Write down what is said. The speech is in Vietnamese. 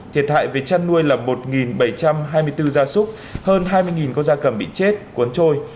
thiệt hại về chăn nuôi là một bảy trăm hai mươi bốn gia súc hơn hai mươi con da cầm bị chết cuốn trôi